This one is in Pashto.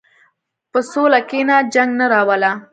په سوله کښېنه، جنګ نه راوله.